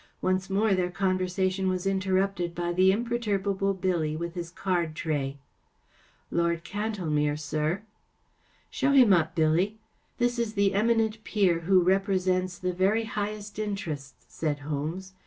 Once more their conversation was interrupted by the im¬ perturbable Billy with his card tray* " Lord Cantlemere, sir/* tf Show him up, Billy, This is the eminent peer who represents the very highest inte¬ rests/' said Holmes.